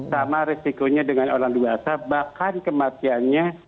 sama resikonya dengan orang dewasa bahkan kematiannya